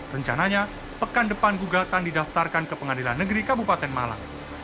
rencananya pekan depan gugatan didaftarkan ke pengadilan negeri kabupaten malang